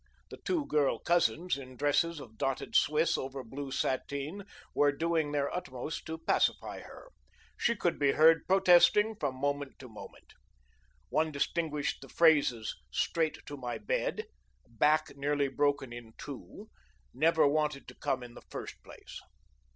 The two girl cousins, in dresses of dotted Swiss over blue sateen, were doing their utmost to pacify her. She could be heard protesting from moment to moment. One distinguished the phrases "straight to my bed," "back nearly broken in two," "never wanted to come in the first place."